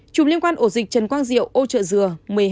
chủng liên quan ổ dịch trần quang diệu âu trợ dừa một mươi hai